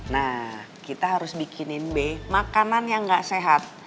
nah kita harus bikinin b makanan yang gak sehat